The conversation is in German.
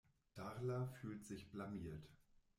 Darla fühlt sich blamiert.